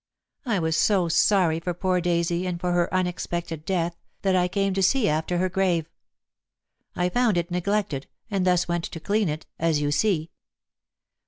I was so sorry for poor Daisy and for her unexpected death that I came to see after her grave. I found it neglected, and thus went to clean it, as you see.